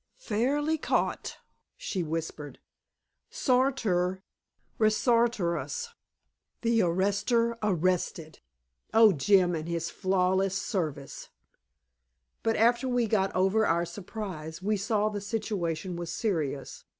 "Fairly caught!" she whispered. "Sartor Resartus, the arrester arrested. Oh, Jim and his flawless service!" But after we got over our surprise, we saw the situation was serious.